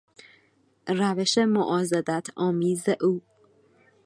روش معاضدتآمیز او....